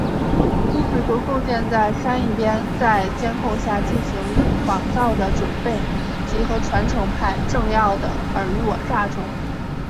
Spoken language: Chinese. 故事就建构在珊一边在监控下进行仿造的准备及和传承派政要的尔虞我诈中。